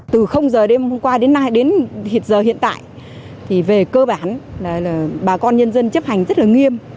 từ giờ đêm hôm qua đến giờ hiện tại thì về cơ bản là bà con nhân dân chấp hành rất là nghiêm